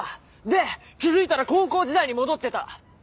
で気付いたら高校時代に戻ってた。